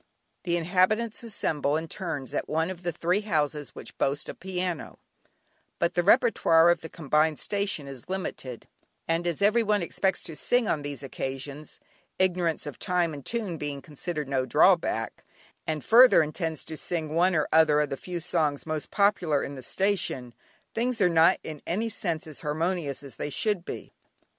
The inhabitants assemble in turns at one of the three houses which boast a piano; but the repertoire of the combined station is limited, and as every one expects to sing on these occasions (ignorance of time and tune being considered no drawback), and further, intends to sing one or other of the few songs most popular in the station, things are not in any sense as harmonious as they should be.